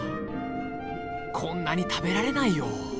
こんなに食べられないよ。